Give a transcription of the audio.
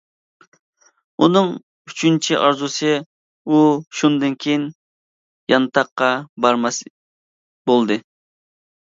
ئۇنىڭ ئۈچىنچى ئارزۇسى ئۇ شۇندىن كېيىن يانتاققا بارماس بولدى.